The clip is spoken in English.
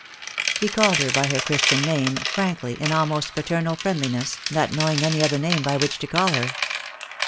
He called her by her Christian name, frankly, in almost paternal friendliness, not knowing any other name by which to call her.